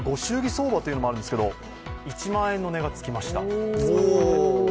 相場というのもあるんですけど、１万円の値がつきました。